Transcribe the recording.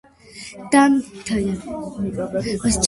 დაამთავრა რუსეთის თეატრალური ხელოვნების აკადემია.